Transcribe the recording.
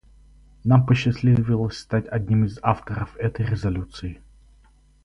Нам посчастливилось стать одним из авторов этой резолюции.